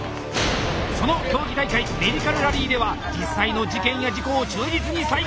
その競技大会メディカルラリーでは実際の事件や事故を忠実に再現。